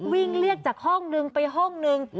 วิ่งเรียกจากห้องนึงไปห้องนึง